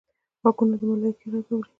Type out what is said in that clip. غوږونه د ملایکې غږ اوري